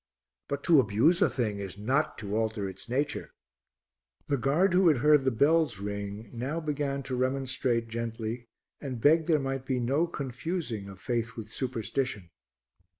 But to abuse a thing is not to alter its nature." The guard who had heard the bells ring now began to remonstrate gently and begged there might be no confusing of faith with superstition.